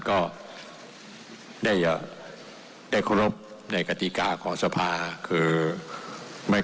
ของศาลมาถึงสภาท่านก็ได้ได้เคารพในกติกาของสภาคือไม่